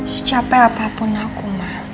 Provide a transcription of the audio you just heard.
secapek apapun aku ma